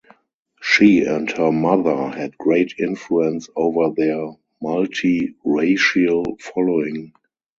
She and her mother had great influence over their multiracial following.